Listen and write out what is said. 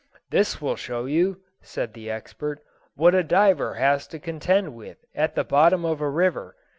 "This will show you," said the expert, "what a diver has to contend with at the bottom of a river.